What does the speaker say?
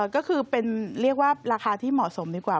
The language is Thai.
ก็คือเป็นเรียกว่าราคาที่เหมาะสมดีกว่า